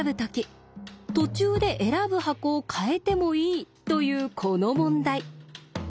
途中で選ぶ箱を変えてもいいというこの問題。